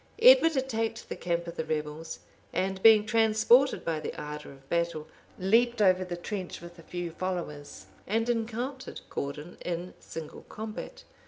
Edward attacked the camp of the rebels; and being transported by the ardor of battle, leaped over the trench with a few followers, and encountered Gourdon in single combat.